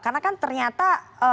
karena kan ternyata